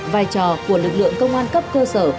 vai trò của lực lượng công an cấp cơ sở